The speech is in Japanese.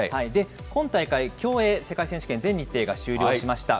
今大会、競泳選手権、全日程が終了しました。